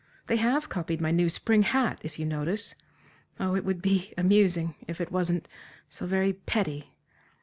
They have copied my new spring hat, if you notice. Oh, it would be amusing, if it wasn't so very petty!"